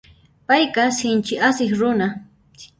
Payqa sinchi asiq runa.